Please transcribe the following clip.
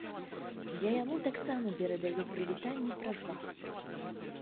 Я яму таксама перадаю прывітанне праз вас.